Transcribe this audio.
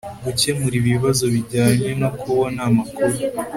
gukemura ibibazo bijyanye no kubona amakuru